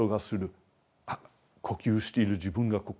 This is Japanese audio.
あっ呼吸している自分がここに座っている。